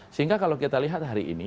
sehingga kalau kita lihat hari ini